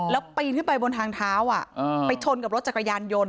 แล้วปีนขึ้นไปบนทางเท้าไปชนกับรถจักรยานยนต์